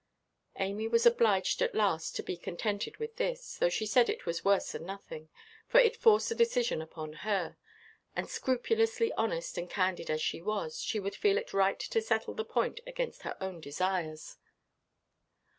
Amy was obliged at last to be contented with this; though she said it was worse than nothing, for it forced the decision upon her; and, scrupulously honest and candid as she was, she would feel it right to settle the point against her own desires.